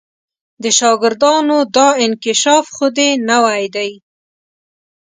د شاګردانو دا انکشاف خو دې نوی دی.